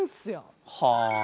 はあ。